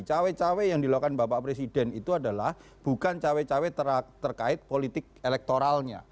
cawe cawe yang dilakukan bapak presiden itu adalah bukan cawe cawe terkait politik elektoralnya